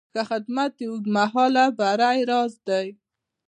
ښه خدمت د اوږدمهاله بری راز دی.